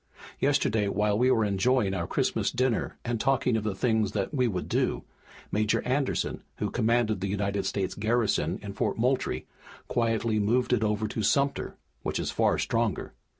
Yesterday, while we were enjoying our Christmas dinner and talking of the things that we would do, Major Anderson, who commanded the United States garrison in Fort Moultrie, quietly moved it over to Sumter, which is far stronger.